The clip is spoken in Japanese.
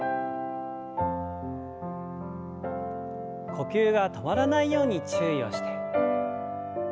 呼吸が止まらないように注意をして。